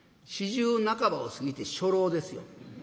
４０半ばを過ぎて初老ですよ。